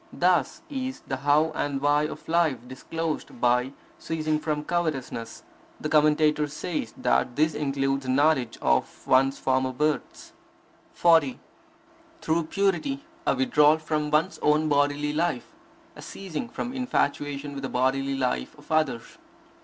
Thus is the how and why of life disclosed by ceasing from covetousness. The Commentator says that this includes a knowledge of one's former births. 40. Through purity a withdrawal from one's own bodily life, a ceasing from infatuation with the bodily life of others.